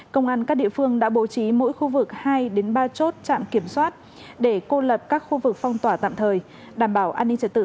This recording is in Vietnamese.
công an các địa phương đã bố trí mỗi khu vực hai ba chốt trạm kiểm soát